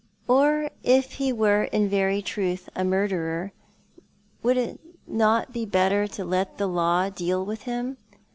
'* 147 Or if he were in very truth a murderer, were it not better to let the law deal with him